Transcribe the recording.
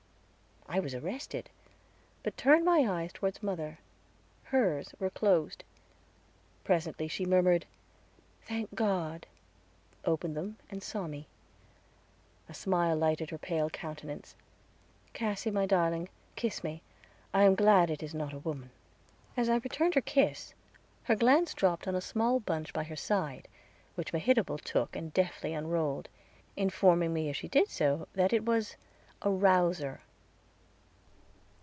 I was arrested, but turned my eyes toward mother; hers were closed. Presently she murmured, "Thank God," opened them, and saw me. A smile lighted her pale countenance. "Cassy, my darling, kiss me. I am glad it is not a woman." As I returned her kiss her glance dropped on a small bunch by her side, which Mehitable took and deftly unrolled, informing me as she did so that it was a "Rouser."